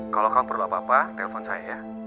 kalau kamu perlu apa apa telpon saya ya